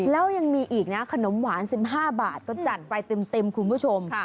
แล้วยังมีอีกนะขนมหวาน๑๕บาทก็จัดไปเต็มคุณผู้ชม